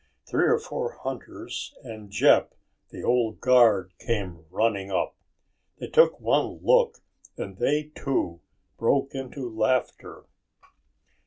Three or four hunters and Jeb, the old guard, came running up. They took one look and they, too, broke into laughter.